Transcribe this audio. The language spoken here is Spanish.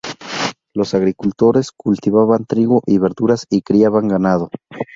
Los agricultores cultivaban trigo y verduras y criaban ganado.